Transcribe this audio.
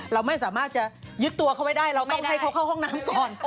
เราไม่สามารถจะยึดตัวเขาไว้ได้เราต้องให้เขาเข้าห้องน้ำก่อน